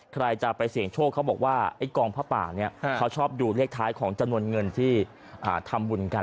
ใครจะไปเสี่ยงโชคเขาบอกว่าไอ้กองผ้าป่าเนี่ยเขาชอบดูเลขท้ายของจำนวนเงินที่ทำบุญกัน